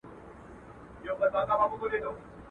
پخواني خلک مستې خوښولې.